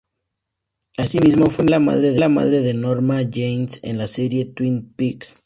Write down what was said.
Asimismo, fue la madre de Norma Jennings en la serie Twin Peaks.